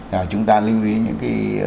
rồi chúng ta lưu ý